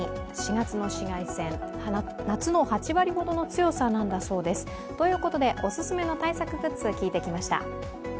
４月の紫外線、夏の８割ほどの強さなんだそうです。ということで、お勧めの対策グッズを聞いてきました。